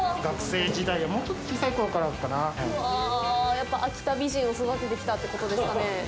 やっぱり秋田美人を育ててきたってことですかね？